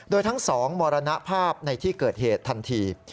โดยทั้งสองมรณภาพในที่เกิดเหตุทันที